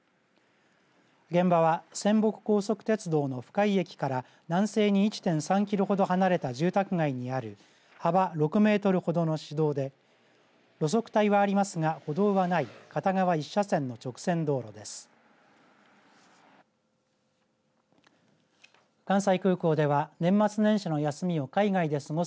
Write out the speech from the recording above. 現場は泉北高速鉄道の深井駅から南西に１．３キロほど離れた住宅街にある幅６メートルほどの市道で路側帯はありますが歩道はない片側１車線の直線道路です。